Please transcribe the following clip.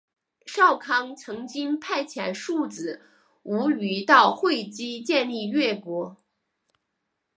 少康曾经派遣庶子无余到会稽建立越国。